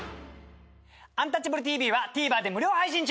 「アンタッチャブるＴＶ」はＴＶｅｒで無料配信中！